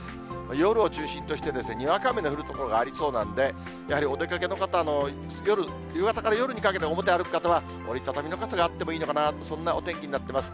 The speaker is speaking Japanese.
夜を中心としてにわか雨の降る所がありそうなんで、やはりお出かけの方は、夜、夕方から夜にかけて表歩く方は、折り畳みの傘があってもいいのかなと、そんなお天気になっています。